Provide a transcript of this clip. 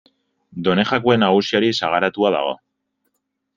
Done Jakue Nagusiari sagaratua dago.